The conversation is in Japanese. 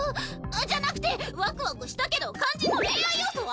じゃなくてワクワクしたけど肝心の恋愛要素は？